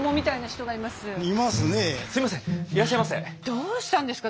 どうしたんですか？